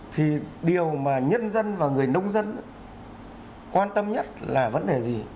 thì điều mà nhân dân và người nông dân quan tâm nhất là vấn đề gì